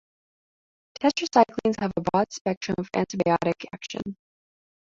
Tetracyclines have a broad spectrum of antibiotic action.